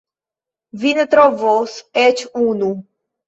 Vi ne trovos eĉ unu.